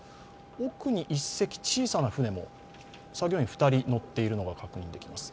奥に１隻、小さな船も作業員２人、乗っているのが確認できます。